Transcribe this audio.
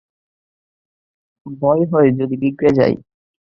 ভয় হয় যদি বিগড়ে যায়।